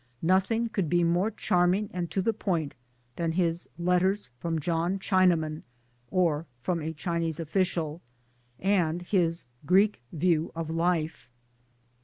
Nothing could be more charming and to the point than his Letters from John Chinaman (or From a Chinese Official) and his Greek View of Life.